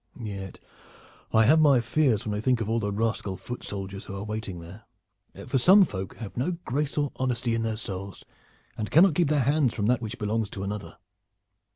Yet I have my fears when I think of all the rascal foot archers who are waiting there, for some folk have no grace or honesty in their souls, and cannot keep their hands from that which belongs to another.